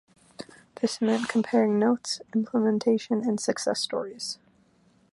This meant comparing notes, implementation and success stories.